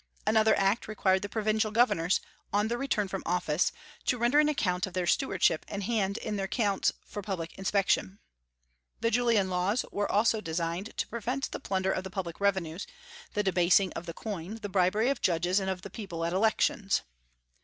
Another act required the provincial governors, on their return from office, to render an account of their stewardship and hand in their accounts for public inspection. The Julian Laws also were designed to prevent the plunder of the public revenues, the debasing of the coin, the bribery of judges and of the people at elections.